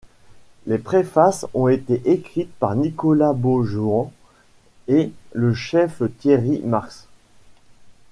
Les préfaces ont été écrites par Nicolas Beaujouan et le Chef Thierry Marx.